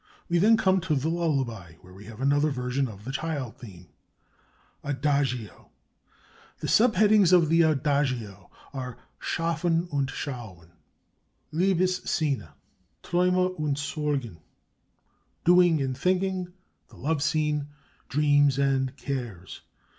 We then come to the lullaby, where we have another version of the child theme. "[ADAGIO] "The sub headings of the Adagio are Schaffen und Schauen Liebes scene Träume und Sorgen ('Doing and Thinking' 'Love Scene' 'Dreams and Cares').